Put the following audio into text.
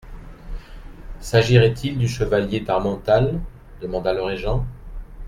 S'agirait-il du chevalier d'Harmental ? demanda le régent.